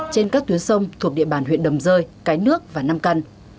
trên các tuyến sông thuộc địa bàn huyện đầm rơi cái nước và nam căn